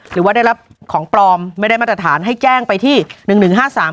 หรือว่าได้รับของปลอมไม่ได้มาตรฐานให้แจ้งไปที่หนึ่งหนึ่งห้าสาม